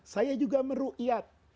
saya juga meruqyat